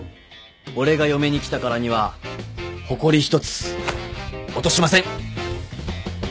俺が嫁に来たからにはほこり一つ落としません。